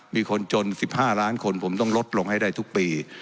มีคนจน๑๕ล้านคนผมต้องลดลงให้ได้ทุกปี